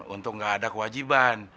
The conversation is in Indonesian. untuk gak ada kewajiban